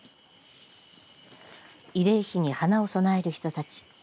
慰霊碑に花を供える人たち。